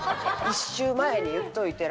１週前に言っておいて。